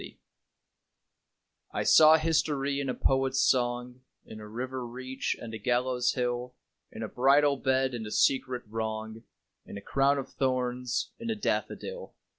SYMBOLS I saw history in a poet's song, In a river reach and a gallows hill, In a bridal bed, and a secret wrong, In a crown of thorns: in a daffodil.